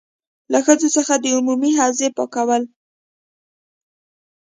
له ښځو څخه د عمومي حوزې پاکول.